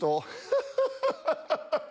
ハハハハハ！